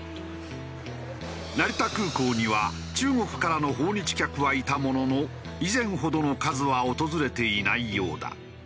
成田空港には中国からの訪日客はいたものの以前ほどの数は訪れていないようだ。